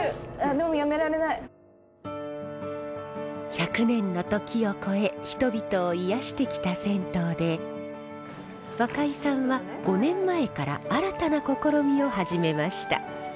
１００年の時を超え人々を癒やしてきた銭湯で若井さんは５年前から新たな試みを始めました。